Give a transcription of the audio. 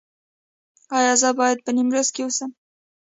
ایا زه باید په نیمروز کې اوسم؟